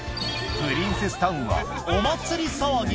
プリンセスタウンはお祭り騒ぎ。